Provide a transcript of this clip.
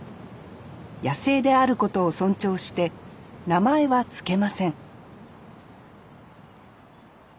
野生であることを尊重して名前は付けません